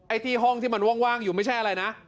ที่ห้องที่มันว่างอยู่ไม่ใช่อะไรนะ